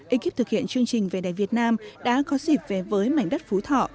ekip thực hiện chương trình về đẹp việt nam đã có dịp về với mảnh đất phú thọ